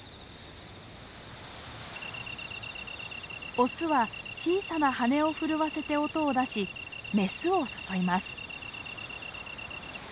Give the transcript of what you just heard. オスは小さな羽を震わせて音を出しメスを誘います。